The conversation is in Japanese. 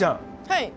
はい。